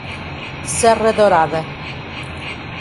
Serra Dourada